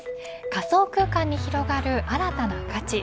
仮想空間に広がる新たな価値